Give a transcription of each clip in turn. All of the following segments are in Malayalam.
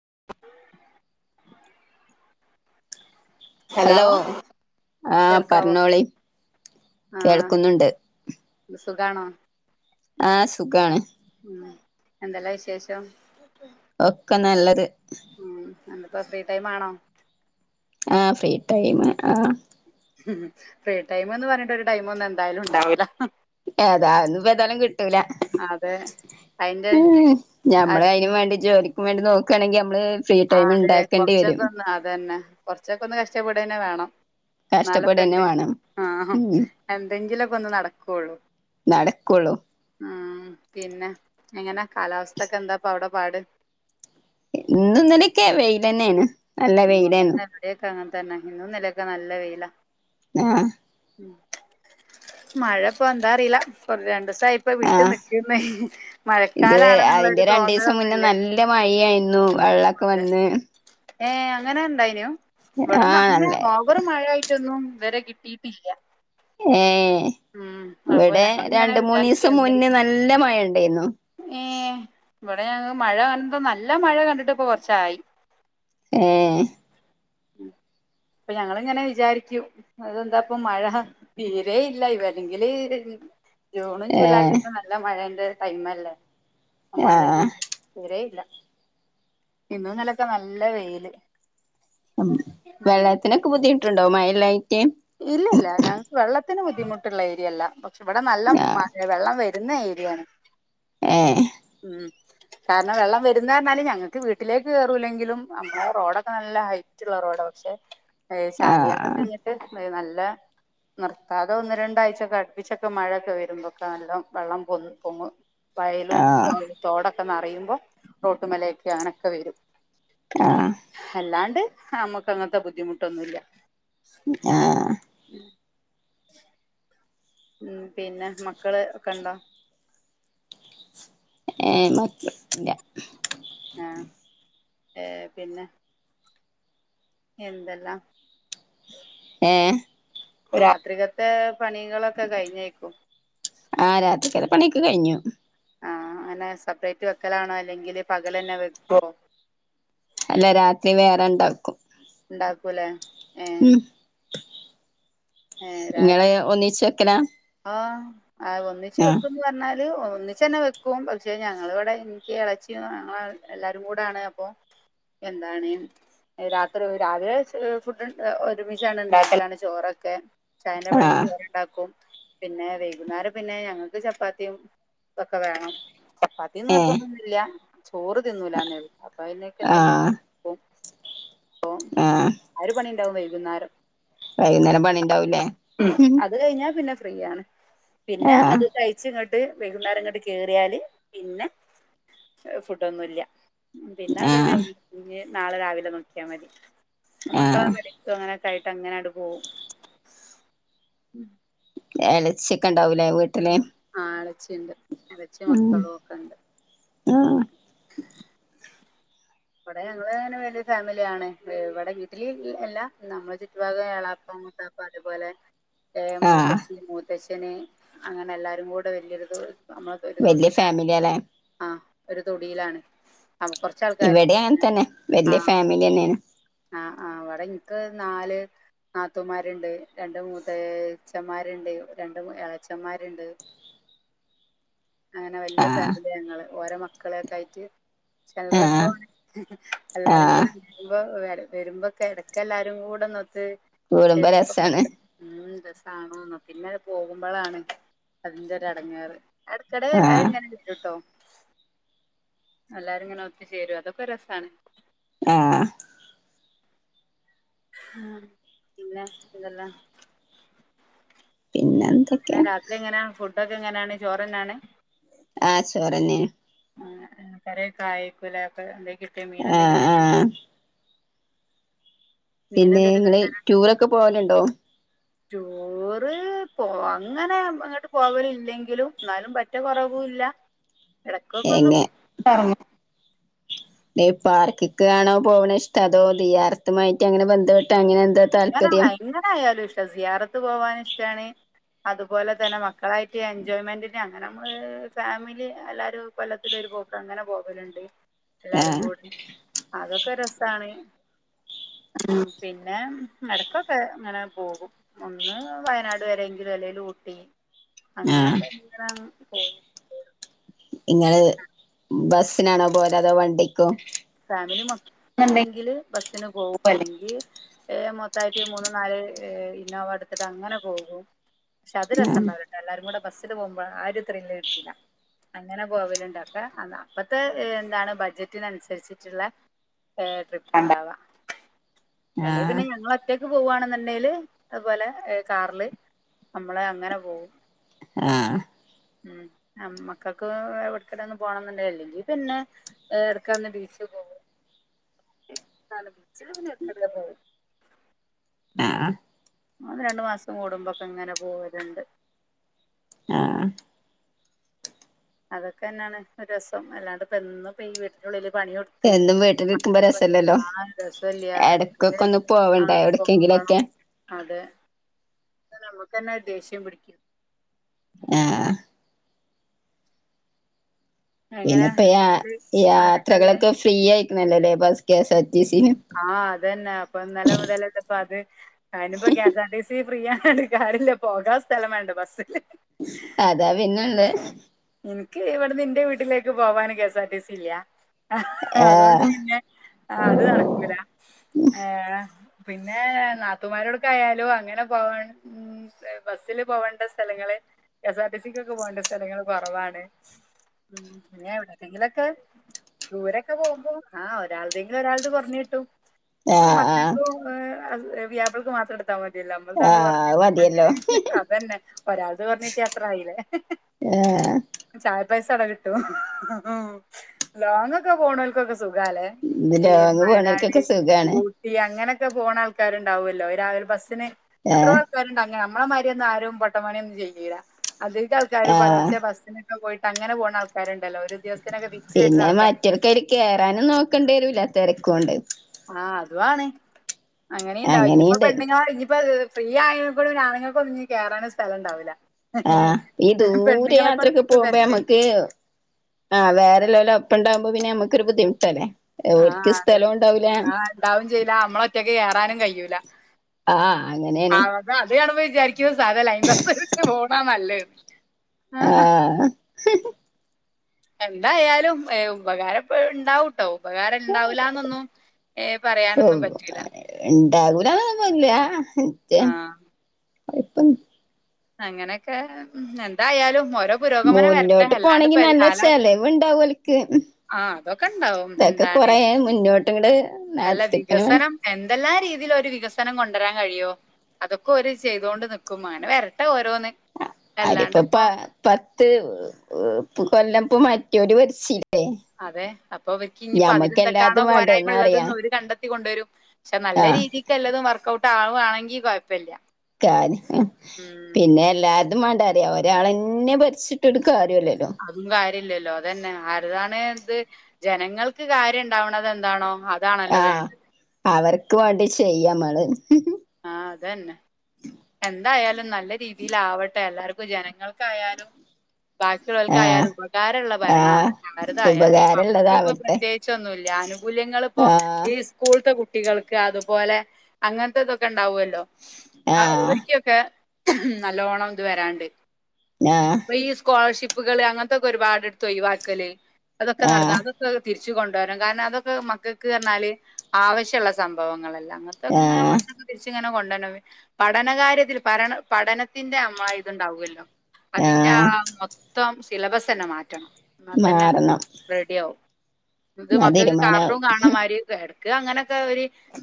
[unintelligible] ഹലോ ആ കേൾക്കാവോ പറഞ്ഞോളി ആ കേൾക്കുന്നുണ്ട് സുഖാണോ ആഹ് സുഖാണ് ഉ എന്തല്ലാ വിശേഷം ഒക്കെ നല്ലത് എപ്പ ഫ്രീ ടൈം ആണോ ആഹ ഫ്രീ ടൈം ആഹ ഉ ഫ്രീ ടൈംന്ന് പറഞ്ഞിട്ട് ഒരു ടൈമ ഒന്നും എന്തായാലും ഉണ്ടാവില്ല അഏതാന്നപ്പ തായാലും കി കിട്ടൂല അതെ അയിന്റെ ഞമ്മള് അത് അയിനും വാണ്ടി ജോലി വണ്ടി നോക്ക്ണെങ്കി നമ്മള് ഫ്രീ ആ ടൈം അതെ ഇണ്ടാക്കേണ്ടി കൊർച്ചൊക്കെ വരും ഒന്ന് അതന്നെ കൊറച്ചൊക്കെ ഒന്ന് കഷ്ടപ്പെടെന്നെ വേണം ഇന്നാലെ ഇപ്പ കഷ്ടപ്പെടന്നെ എന്തെ വേണം ആ ഹമം ഉം എന്തെങ്കിലൊക്കെ ഒന്ന് നടക്കൊള്ളു നടക്കുള്ളൂ ആ ഉം പിന്നെ എങ്ങനെ കാലാവസ്ഥക്കെ എന്താപ്പ അവ്ടെ പാട് ഇന്നും ഇന്നലെ ഒക്കെ വെയിലെന്നെയാണ് ഉം അതന്നെ ഇവ്ടെ ഒക്കെ അങ്ങൻ തെന്നെ ഇന്നും ഇന്നലെ ഒക്കെ നല്ല വെയിലാ ആഹ് ഉം മഴപ്പോ എന്താ അറീലാ ഇപ്പോ ര സായിപ്പൊ വിട്ട് ആഹ് നിക്ക്ന്ന് ഇത് മഴക്കാലാണ്ന്ന് ഇള്ളൊര് അതിന്റെ തോന്നലൊന്നും ഇല്ല്യാ വള്ളൊക്കെ വന്ന് ഏ അങ്ങനെ ഇണ്ടായിനോ ഇവടെന്നാ ആഹ് അങ്ങനെ നല്ല ഓവറ് മഴ ആയിട്ടൊന്നും വെരെ കിട്ടിയിട്ട് ഇല്ല ഏ എ ഇവടെ ഞങ്ങളിങ്ങനെ രണ്ട് വിചാരിക്കും മൂന്നീസം മുന്നെ എന്തായിരിക്കും നല്ല മഴ ഇണ്ടെയ്ന്നു ഇവടെ ഞങ്ങക്ക് മഴ കാണുമ്പം നല്ല മഴ കണ്ടിട്ട് ഇപ്പം കൊർച്ചായി ഏ അപ്പ ഞങ്ങൾ ഇങ്ങനെ വിചാരിക്കും അതെന്താ ഇപ്പൊ മഴ തീരെ ഇ ല്ല [unintelligible] വെര്നെങ്കിൽ ജൂണും ഏഹ് ജൂലൈക്കെ നല്ല മഴെന്റെ ടൈമല്ലേ മഴ ആഹ് ഇല്ല തീരെ ഇല്ല ഇന്നും ഇന്നലൊക്കെ നല്ല വെയില് ഉം ഉം വെള്ളത്തിനൊക്കെ ബുദ്ധിമുട്ട്ണ്ടൊ മയില്ലായി ഇല്ലല്ല ഞങ്ങക്ക് വെള്ളത്തിന് ബുദ്ധിമുട്ടുള്ള ഏര്യയല്ല ഷേ ഇവിടെ നല്ല മലവെള്ളം വെ വരുന്ന ഏര്യയാണ് ഏ ഉം കാരണം വെള്ളം വരുന്ന റഞ്ഞാല് ഞങ്ങൾക്ക് വീട്ടിലേക്ക് കയറൂലെങ്കിലും അമ്മളെ റോഡൊക്കെ നല്ല ഹൈറ്റ് ള്ള റോഡോ പക്ഷേ ഏയ് ശാലിയാറ് ആഹ് കഴിഞ്ഞിട്ട് അ നല്ല നിർത്താതെ ഒന്ന് രണ്ടാഴ്ചൊക്കെ അടുപ്പിച്ചൊക്കെ മഴയൊക്കെ വരുമ്പോക്കെ നല്ല വെള്ളം പൊ പൊങ്ങും വയലും ആഹ് തോടൊക്കെ നറ റയുമ്പോ റോട്ടുമലൊക്കെ അനൊക്കെ വരും ആഹ് അല്ലാണ്ട് നമുക്ക് അങ്ങനത്തെ ബുദ്ധിമുട്ടൊന്നുഇല്ല മം ആ [unintelligible] ഉം പിന്ന മക്കള് ഒക്കെ ണ്ടോ ഏർ മറ്റ ഇല്ല [unintelligible] ആ ഏ പിന്നെ എന്തല്ലാ ഏഹ് രാത്രിക ഏ പണികളൊക്കെ കഴിഞ്ഞേക്കും ആ രാത്രിക്കലെ പണിക്കെ കഴിഞ്ഞു ആഹ അങ്ങനെ സെപ്പറേറ്റ് വെക്കലാണോ അല്ലെങ്കില് പകല ന്നെ വെക്കോ അല്ല രാത്രി വേറെ ണ്ടാക്കും ഉണ്ടാക്കൂലേ ഏഹ് മം [unintelligible] നിങ്ങള് ഒന്നിച്ചു വെക്കലാ ആ ആ ഒന്നിച്ച് ആഹ് വെക്കുംന്ന് പറഞ്ഞാൽ ഒന്നിച്ചന്നെ വെക്കും പക്ഷെ ഞങ്ങൾ ഇവിടെ എനിക്ക് ഇളച്ചി ഞങ്ങൾ എല്ലാരും കൂടൊണ് അപ്പൊ എന്താണ് രാത്രി രാവിലെ ഫുഡ് ഒരുമിച്ചാണ് ഉണ്ടാക്കലാണ് ചോറൊക്കെ ചായന്റെ പടക ആഹ് ചോർ ണ്ടാക്കും പിന്നെ വൈകുന്നേരം പിന്നെ ഞങ്ങൾക്ക് ചപ്പാത്തിയും ഒക്കെ വേണം ചപ്പാത്തി ഏഹ് നിർബന്തോന്നും ഇല്ല ചോറ് തിന്നൂലന്നെ ള്ളു അപ്പോ അതിനൊക്കെ എന്തെങ്കിലും ആ ആ ഒരു പണി വൈകുന്നേരം വൈകുന്നേരം പണിണ്ടാവുല്ലേ മം ഫ്രീയാണ് പിന്നെ അത് കയിച്ച് ഇങ്ങട്ട് വൈകുന്നേരം ഇങ്ങട്ട് കേറിയാല് പിന്നെ ഫുഡ്‌ന്നുല്യാ പിന്നാക ആഹ് കയിഞ്ഞ് നാളെ രാവിലെ നോക്കിയാൽ മതി ആഹ് മക്കളവെടിത്തും അങ്ങനെക്കെയിട്ട് ക്ക അങ്ങനണ്ട് പോവും ഗ്യലക്സി ക്കെ ണ്ട് ആ ആ ളച്ചിണ്ട് ഇളച്ചി ഉം മക്കളും ഒക്കെ ഉണ്ട് ആഹ് ഇവിടെ ഞങ്ങള് അങ്ങനെ വലിയ ഫാമിലിയാണ് ഇവിടെ വീട്ടില് എല്ല നമ്മെ ചുറ്റുപാഗ ഏളാപ്പ മൂത്താപ്പ അത് പോലെ ഏ ആഹ് മൂത്തച്ചി മൂ ത്തച്ചന് അങ്ങനെ എല്ലാരും കൂടെ വലിയൊരു നമ്മളക്കെ ഒരു വല്യ തൊടുല ഫാമിലിയാല്ലേ ആ ഒരു തൊടിയിലാണ് അപ്പൊ കൊറച്ചാൾക്കാര് ഇവിടെ അഅങ്ങനെതന്നെ തന്നെ വല്യ ഫാമിലി തന്നെണ് ആ ആ അവിടെ ഇനിക്ക് നാല് നാത്തൂന്മാരുണ്ട് രണ്ട് മൂത്തച്ചന്മാരുണ്ട് രണ്ട് ഇ.... ച്ച്ചന്മാരുണ്ട് അങ്ങനെ വല്യ ആഹ് ഫാമിലി ഞങ്ങള് ഓരോ മക്കളെയക്കെ ആയിട്ട് നല്ല ആഹ് രസമാണ് എല്ലാരും ആഹ് കൂടെ ഉണ്ട്പോ വരുമ്പോ കിടക്ക എല്ലാരും കൂടെന്നൊത്ത് കൂടുമ്പോ രസാണ് ശപ്പല്ല ഉന്ത [unintelligible] സാണോ ന്നോ പിന്നെ പോകുമ്പോ മ്പളാണ് അതിന്റെ ഒരടങ്ങാറ് ഇടക്കിടയിൽ എല്ലാരും ആഹ് ഇങ്ങനെ വരും കേട്ടോ എല്ലാരും ഇങ്ങനെ ഒത്തുചേരും അതൊക്കെ രസാണ് ആ ആ അല്ലെ ഇതെല്ലാം പിന്നെ എന്തൊക്കെ ട്ക്കെ എങ്ങനെയണ് ചോറ്ന്നാണ് ആ ചോറെന്നെയ കറി കായക്കലെ ഒക്കെ എന്ത ആ ആ മീൻ പിന്നെ എന്തേലും നിങ്ങള് ടൂറൊക്കെ പോവാലു ണ്ടോ ടുറ് പോ അങ്ങനെ അങ്ങോട്ട് പോവല ഇല്ലെങ്കിലും എന്നാലും പറ്റ കൊറവല്ല ഇടക്കൊക്കെ ഒന്ന്കറങ്ങും പാർക്കക്കാണോ പോവണ ഇഷ്ട അതോ ദീ്യാർത്തമായിട്ട് അങ്ങനെ ബന്ധപ്പെട്ട് ട്ട് അങ്ങനെ എന്താ എങ്ങനെ താല്പര്യം. എങ്ങനെ ആയാലും സിയാറത്ത് പോകൻ ഇഷ്ടമാണ് അതുപോലെ തന്നെ മക്കളായിട്ട് എൻജോയ്മെന്റിന് അങ്ങനെ ഫാമിലി എല്ലാരും കൊല്ലത്തിരു പോക്ക് അങ്ങനെ പോവലുണ്ട് എല്ലാരും ആഹ് കൂടി അതൊക്കെ രസ ന്നാണ് പിന്ന പിന്നെ മടക്കൊക്കെ ഇങ്ങനെ പോകും ഒന്ന് വയനാട് വരെങ്കിലും അല്ലെങ്കി ഊട്ടി ആഹ് അങ്ങനെയൊക്കെ പോയി നിങ്ങള് ബസിനാണോ പോലെ അതോ വണ്ടിക്കൊ ഫാമിലി മൊത്തൊണ്ടെങ്കില് ബസ്സിന് പോകും അല്ലെങ്കി മൊത്തായിട്ട് മൂന്ന് നാല് ഇന്നോവ എടുത്തിട്ട് അങ്ങനെ പോകും പക്ഷെ അത് രസ ആഹ് ഒണ്ടാവില്ലേട്ടോ എല്ലാരും കൂടെ ബസ്സിന് പോകുമ്പഴ ആ ഒരു ത്രില്ല് കിട്ടൂല്ല അങ്ങനെ പോവലുണ്ടക്കെ അന് അപ്പത്തെ എന്താണ് ബഡ്ജറ്റിനനുസരിച്ച് ച്ചുള്ള ഏ ട്രിപ്പ് ണ്ടാവാ അല്ലെയ് ആഹ് പിന്നെ ഞങ്ങളൊറ്റ ക്ക് പോവാണെന്നുണ്ടേല് അതുപോലെ ഏ കാറില് നമ്മള് അങ്ങനെ പോവും ആഹ് ഉം നമ്മക്കൊക്കെ എവിട്ക്കേലും ഒന്ന് പോണംന്നൊണ്ടേല് ല്ലെങ്കി പിന്നെ ഏ എടക്കൊന്ന് ബീച്ച് പോവും ബീച്ചില് പിന്നെ എടക്കെടക്കേ പോവും ആഹ് [unintelligible] രണ്ട് മാസം കൂടുമ്പൊക്കെങ്ങനെ പോവലുണ്ട് ആ അതൊക്കെ എന്നാണ് ഒരോസം അല്ലാതെപ്പം എന്നും ഇപ്പ ഈ വീട്ടിനുള്ളില് പണി ഒടുത്ത് എന്നും വീട്ടിലിരിക്കുമ്പോ [unintelligible] രസല്ലല്ലോ രസവുല്ല്യ ട്ക്കൊക്കെ എടക്കൊക്കെ ഒന്ന് പോവണ്ടേ അങ്ങനെ പോകണം എവിടക്കെങ്കിലൊക്കെ അതെ പിന്നെ നമുക്കെന്നെ ദേഷ്യം പിടിക്കും ആ എങ്ങനാ പിന്നെപ്പ യാ വീട്ടില് ആരൊക്കെള്ളെ യാത്രകളൊക്കെ ഫ്രീ ആയ്ക്കും - ലല്ലല്ലേ ബസ്സ് ആ അതന്നെ അപ്പൊ ഇന്നലെ മുതലതിന്ന്പ്പൊത് അയിനിപ്പൊ കെഎസാർടിസി ഫ്രീയാണണ്ട് കാര്യല്ല പോകാൻ സ്ഥലം വേണ്ടേ ബസ്സില് അതാ പിന്നൊള്ളെ ക്ക് ഇവിടന്ന് ന്റെ വീട്ടിലേക്ക് പോവാന് K S R T C ഇല്ല്യ അതുകൊണ്ട് ആഹ് പിന്നെ ആ അത് നടക്കൂല ഏ പിന്നേ നാത്തുമാരോടൊക്കെ ആയാലും അങ്ങനെ പോവാൻ മ്മ് ബസ്സില് പോവണ്ട സ്ഥലങ്ങള് കെസാർടിസിക്കൊക്കെ പോവണ്ട സ്ഥലങ്ങള് കൊറവാണ് പിന്നെ എവിടേക്കെ ങ്കിലൊക്കെ ദൂരൊക്കെ പോകുമ്പോ ആ ഒരാൾ എന്തെങ്കിലും ഒരാൾത് കൊറഞ്ഞ് കിട്ടും ആ ആഹ് ആഹ് മക്കക്കും ഏ അത് വ്യാപക്ക് മാത്രം എട് ത്താ മതീലാ നമ്മൾതാണ്ട് ആഹ് പറഞ്ഞ് അത് മതിയല്ലോ അതന്നെ ഒരാൾതെ കൊറഞ്ഞ് കിട്ടിയ അത്ര ആയില്ലേ ആഹ് ചാ പൈസ അവിടെ കിട്ടോ ലോങ്ങ് ഒക്കെ പോണവർക്കൊക്കെ സു ഖാലേ ഇത് ലോങ്ങ് പോണോർക്കൊക്കെ സുഖാണ് അങ്ങനക്കെ പോണ ആൾക്കാരുണ്ടാവുല്ലോ രാവിലെ ബസ്സിന് എത്രപേർ ആഹ് ആൾക്കാരൊണ്ട് അങ്ങന നമ്മളെ മാര്യോന്നും ആരും പൊട്ടപ്പണിയൊന്നും ചെയ് വീലാ അതിന്റെ ആൾക്കാര് ആഹ് പലർച്ചേ ബസിന് പോയിട്ട് അങ്ങനെ പോണ ആൾക്കാര് പിന്നെ മറ്റ കയറാനും നോക്കണ്ടേലൂല തെരക്കൊണ്ട് ആഹ അതുവാണ് അങ്ങനെയുണ്ടാവെ ഇനിപ്പോ അങ്ങനീണ്ട് പെണ്ണുങ്ങൾ ഇഞ്ഞിപ്പോ അ ഫ്രീ ആയനെകൊണ്ട് ആണുങ്ങൾക്കൊന്നും ഇഞ്ഞി കേറാനും സ്ഥലണ്ടാവുല്ല ആഹ ഈ ദൂരെ യാത്രക്കെ തിക്കും പോകുമ്പോ നമ്മുക്ക് തിരക്കേക്കും ആഹ വേറെളോല്ലെ ട്ടാവുമ്പോ പിന്നെ മക്ക് ക്കൊരു ബുദ്ധിമുട്ടലേ ആഹ അതെ ആ ഇണ്ടാവും ചെയ്യുല നമ്മളൊറ്റക്ക് കേയറാനും കഴിയൂ ഇല്ല ആ അങ്ങനെണ് ചാരിക്കും സാധാ ലൈൻ ബസ് വിളിച്ച് പോണ നല്ലേ ആഹ എന്തായാലും ഏ ഉപകാര ണ്ടാവും ട്ടോ ഉപകാരം ഇണ്ടാവൂലന്നൊന്നും ഏ പറയാനൊന്നും പറ്റില്ല ഉണ്ടാകൂലന്നൊന്നുല്ല ആ ഇപ്പൊ അങ്ങനെയൊക്കെ എന്തായാലും മോശ മുന്നോട്ട് പോണെങ്കിൽ നല്ല ചെലവുണ്ടാവും ഓല്ക്ക് ആ അതൊക്കെ ഉണ്ടാവും ഇതൊക്കെ എന്താണ് കൊറേ മുന്നോട്ട് ഇങ്ങട് നടത്തിപ്പിന് ഇതില ഒരു വികസനം കൊണ്ടുവരാൻ കഴിയോ അതൊക്കെ ഓര് ചെയ്തോണ്ട് നിക്കും അങ്ങനെ വെര ആ അര്പ്പൊ പ പത്ത് കൊല്ലപ്പോ മറ്റോര് ഭരിച്ചി അതെ അപ്പൊ അവർക്ക് ഇനിയിപ്പോ അതിലെന്തൊക്കാണോ എല്ലാതും വേണ്ടേ പോരായ്മ ഉള്ളത് ഒന്നറിയാം അവര് കണ്ടത്ത ത്തി കൊണ്ടുവരും ക്ഷെ നല്ല ആഹ് രീതിക്ക്ല്ലതും വർക്ക്ഔട്ട് ആളുകുണെങ്കിൽ കുഴപ്പമില്ല കാന് ഹ് പിന്നെ എല്ലാ അത് മേണ്ടറ ഒരാൾെന്നെ ഭരിച്ചിട്ട് എടുക്കാ [unintelligible] ദില്ലല്ലോ അതന്നെ ആരതാണ് ഇത് ജനങ്ങൾക്ക് കാര്യം ണ്ടാവണത് എന്താണോ അതാണല്ലോ ആ വേണ്ടത്. അവർക്ക് വേണ്ടി ചെയ്യമ്മള്ള് ഉ ആഹ അതന്നെ എന്തായാലും നല്ല രീതിൽ ആവട്ടെ എല്ലാർക്കും ജനങ്ങൾക്കായാലും ആഹ് ബാക്കിയുള്ളോർക്കായാലും ഉപകാരള്ള ഭരണം ആഹ് ആവട്ടെ ആരതായാലും ഞമ്മക്ക് പ്പോ ഉപകാരള്ളതാവട്ടെ പ്രത്യേകിച്ചൊന്നുല്ല ആനുകൂല്യങ്ങള് പ്പോ ആഹ് ഈ സ്കൂളത്തെ കു കുട്ടികൾക്ക് അതുപോലെ അങ്ങനത്തെ തൊക്കെ ഉണ്ടാവുമല്ലോ ആ ആഹ് ഓരിക്കൊക്കെ ഉ നല്ലോണം ഇത് വരാണ്ട് ആഹ് ഇ സ്കോളർഷിപ്പ ഉപ്പുകള് അങ്ങനത്തെൊക്കെ ഒരുപാട്ടുത്ത് ഒഴിവാക്കല് അതൊക്കെ നടന്ന ആഹ് അതൊക്കെതിരി കുച്ച കൊണ്ടുവരാം കാരണം അതൊക്കെ മക്കൾക്ക് പറഞ്ഞാല് ആവശ്യമുള്ള സംഭവങ്ങളെല്ലാം ആഹ തിരിച്ച ഇങ്ങനെ കൊണ്ടുന്ന പഠനകാര്യത്തിൽ പഠ പഠനത്തിന്റെ അമ്മ ഇതുണ്ടാവുമല്ലോ അതിന്റെ ആഹ് ആ മൊത്തം സിലബസ് തന്നെ മാറ്റണം എന്നാൽ തന്നെ മാറണം റെഡി ആവും ഇത് ആ മക്കൾക്ക് തീരുമാനം കാർട്ടവും കാണാൻ മാരി [unintelligible] അങ്ങനെ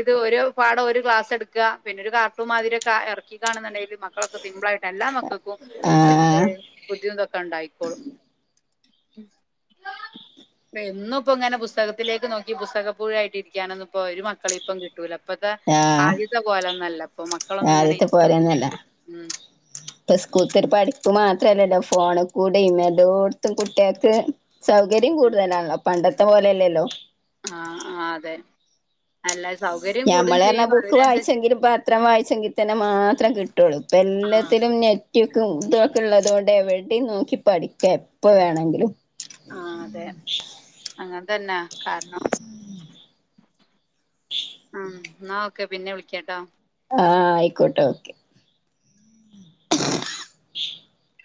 ഇത് ഓരോ പാട ഒരു ഗ്ലാസ് എടുുക പിന്നെ ഒരു കാർട്ടൂൺ മാതിരിക്കെ ഇറക്കിക്കാണുണ്ടെങ്കിൽ മക്കളൊക്കെ സിംമ്പിള ആയിട്ട് എല്ലാ മക്കൾക്കും ആഹ് ബുദ്ധിമുന്തൊക്കെ ഉണ്ടായിക്കോളും എന്നും ഇപ്പ ഇങ്ങനെ പുസ്തകത്തിലേക്ക് നോക്കി പുസ്തകപ്പഴായിട്ട് ഇരിക്കാനന്ന ഇപ്പോ ഒരു മക്കള ഇപ്പം കി കിട്ടല അപ്പത്തെ ആഹ് സാധ്യത പോലെ ഒന്നല്ല അപ്പൊ മക്കളൊന്നും ഇങ്ങനെ ആദ്യത്തെ ഏറ്റ എന്ത് പോലെയൊന്നല്ല ചെയ്യ ഉ അത്രല്ലല്ലോ ഫോണിൽ കൂടെ ഇതോത്തും കുട്ടികൾക്ക് സൗകര്യം കൂടുതലാണല്ലോ പണ്ടത്തെ പോലെയല്ലല്ലോ ആഹ ആ അതെ അല്ലാ ഞമ്മൾ എറഞ്ഞ ബുക്ക് വായിച്ചെങ്കിലും പത്രം വായിച്ചെങ്കിൽ തന്നെ മാത്രം കിട്ടുള്ളൂ ഇപ്പ ആ എല്ലാത്തിലുംഞെ കുറ്റിയക്കെ മുദൊക്കെ ഉള്ളതുകൊണ്ട് എവിടെയും നോക്കി പഠിക്കുക എപ്പോ വേണമെങ്കിലും ആ അതെ അങ്ങനെ അതന്നെ കാരണം ഉം നാ ക്കെ പിന്നെ വിളിക്കേട്ടോ ആഹ ആയിക്കോട്ടെ ഓക്കെ [inaudible]